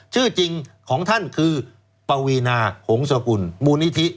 ชื่อจริงของท่านคือปวีนาหงศกุลมูลนิธิ